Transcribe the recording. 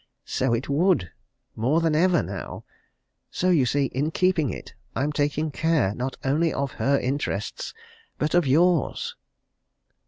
So it would more than ever, now. So, you see, in keeping it, I'm taking care, not only of her interests, but of yours!"